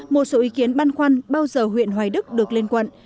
một số ý kiến băn khoăn bao giờ huyện hoài đức được lên quận